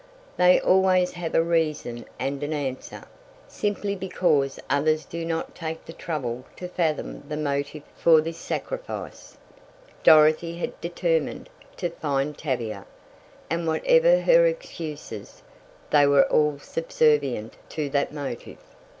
They always have a reason and an answer, simply because others do not take the trouble to fathom the motive for this sacrifice. Dorothy had determined to find Tavia, and whatever her excuses, they were all subservient to that motive.